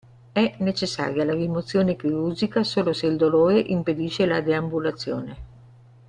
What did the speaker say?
È necessaria la rimozione chirurgica solo se il dolore impedisce la deambulazione.